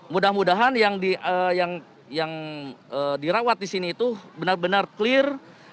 mudah mudahan yang dirawat di sini itu benar benar clear